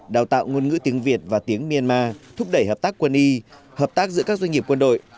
đào tạo ngôn ngữ tiếng việt và tiếng myanmar thúc đẩy hợp tác quân y hợp tác giữa các doanh nghiệp quân đội